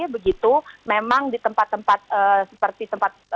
begitu memang di tempat tempat seperti tempat